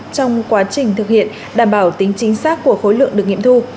trong quá trình thực hiện đảm bảo tính chính xác của khối lượng được nghiệm thu